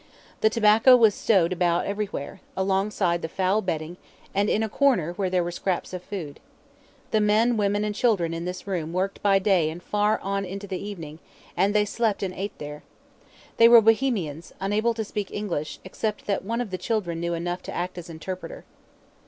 The tobacco was stowed about everywhere, alongside the foul bedding, and in a corner where there were scraps of food. The men, women, and children in this room worked by day and far on into the evening, and they slept and ate there. They were Bohemians, unable to speak English, except that one of the children knew enough to act as interpreter.